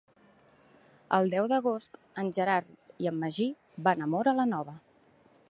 El deu d'agost en Gerard i en Magí van a Móra la Nova.